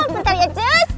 bentar ya njus